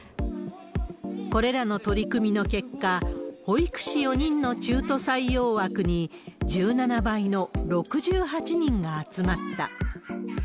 これらの取り組みの結果、保育士４人の中途採用枠に、１７倍の６８人が集まった。